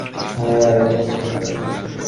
হ্যাঁ, বসতে পার।